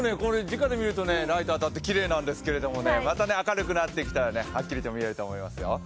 じかで見るとライトが当たってきれいなんですけどね、またね、明るくなってきたらねはっきりと見えると思いますよ。